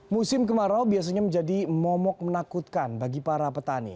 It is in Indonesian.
musim kemarau biasanya menjadi momok menakutkan bagi para petani